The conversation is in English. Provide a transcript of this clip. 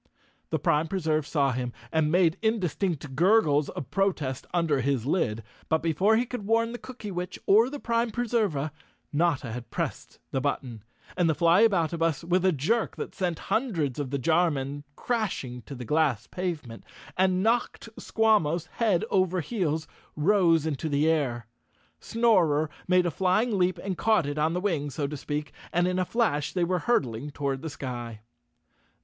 The Prime Preserve saw him and made indistinct gurgles of protest under his lid, but before he could warn the Cookywitch or the Prime Preserva, Notta had pressed the button, and the Flyaboutabus, with a jerk that sent hundreds of the jar men crashing to the glass pavement and knocked Squawmos head over heels, rose into the air. Snorer made a flying leap and caught it on the wing, so to speak, and in a flash they were hurtling toward the sky.